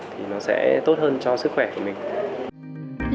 thì nó sẽ tốt hơn cho sức khỏe của mình